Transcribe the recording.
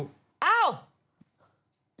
อ้าว